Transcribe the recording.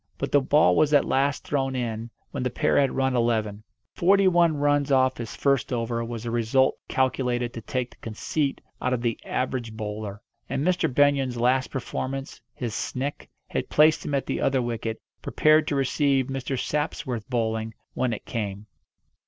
But the ball was at last thrown in when the pair had run eleven. Forty one runs off his first over was a result calculated to take the conceit out of the average bowler. And Mr. Benyon's last performance, his "snick," had placed him at the other wicket, prepared to receive Mr. Sapsworth's bowling when it came.